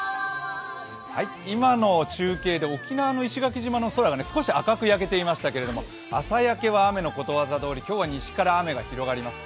今の中継で沖縄の石垣島の空が少し赤く焼けていましたけど朝焼けは雨ということわざがありますが、今日は西から雨が広がります。